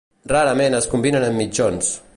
Rarament es combinen amb mitjons.